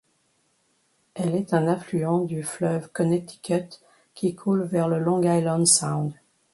Elle est un affluent du fleuve Connecticut, qui coule vers le Long Island Sound.